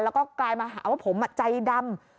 แล้วก็กลายมาหาว่าผมใจดำ